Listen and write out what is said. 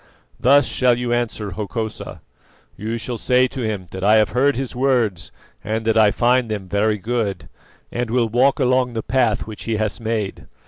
Thus shall you answer Hokosa: You shall say to him that I have heard his words and that I find them very good, and will walk along the path which he has made.